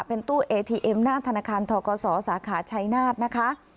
เป็นตู้เอทีเอ็มหน้าธนาคารทกศสาขาชัยนาธนะคะ